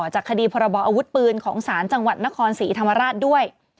จากคดีพรบออาวุธปืนของศาลจังหวัดนครศรีธรรมราชด้วย